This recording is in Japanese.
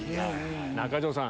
中条さん